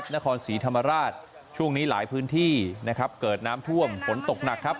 นครศรีธรรมราชช่วงนี้หลายพื้นที่นะครับเกิดน้ำท่วมฝนตกหนักครับ